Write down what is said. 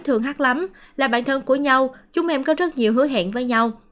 thường hát lắm là bản thân của nhau chúng em có rất nhiều hứa hẹn với nhau